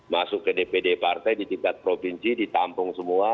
masuk ke dpd partai di tingkat provinsi ditampung semua